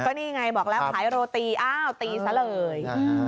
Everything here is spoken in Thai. นี่ไงบอกแล้วขายโรตีอ้าวตีซะเลย